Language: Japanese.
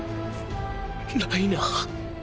ライナー。